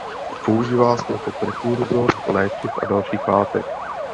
Používá se jako prekurzor léčiv a dalších látek.